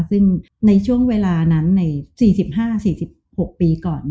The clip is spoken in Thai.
ซึ่งในช่วงเวลานั้นใน๔๕๔๖ปีก่อน